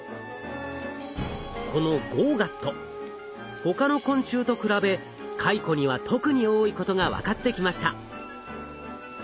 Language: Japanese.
このＧＯＧＡＴ他の昆虫と比べカイコには特に多いことが分かってきました。